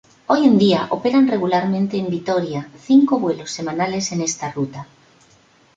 Hoy en día operan regularmente en Vitória cinco vuelos semanales en esta ruta.